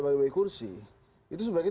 bayi bayi kursi itu sebaiknya